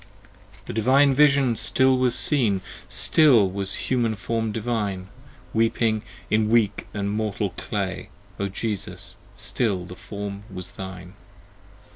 29 The Divine Vision still was seen, 75 Still was the Human Form Divine, Weeping in weak & mortal clay, Jesus, still the Form was thine.